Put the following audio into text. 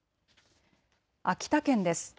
秋田県です。